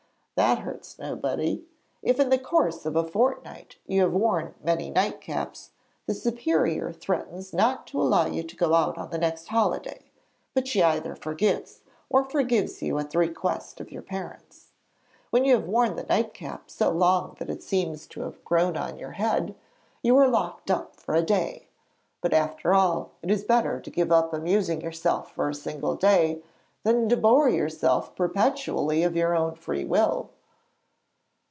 that hurts nobody. If in the course of a fortnight you have worn many nightcaps, the Superior threatens not to allow you to go out on the next holiday, but she either forgets or forgives you at the request of your parents. When you have worn the nightcap so long that it seems to have grown on your head, you are locked up for a day. But after all, it is better to give up amusing yourself for a single day than to bore yourself perpetually of your own freewill.'